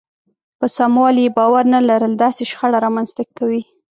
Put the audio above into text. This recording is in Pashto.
په سموالي يې باور نه لرل داسې شخړه رامنځته کوي.